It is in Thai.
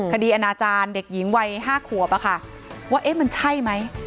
คดีอาณาจารย์เด็กหญิงวัย๕ขัวป่ะค่ะว่ามันใช่ไหม